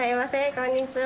こんにちは。